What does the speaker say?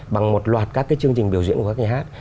bằng một loạt các chương trình biểu diễn của các nhà hát